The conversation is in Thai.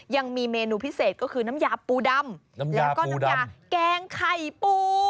ยังมีเมนูพิเศษก็คือน้ำยาปูดำแล้วก็น้ำยาแกงไข่ปู